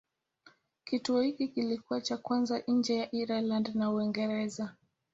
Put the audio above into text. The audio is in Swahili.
Kituo hiki kilikuwa cha kwanza nje ya Ireland na Uingereza.